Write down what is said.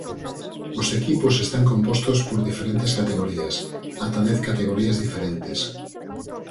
Os equipos están compostos por diferentes categorías, ata dez categorías diferentes.